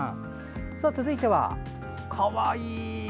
続いては、かわいい！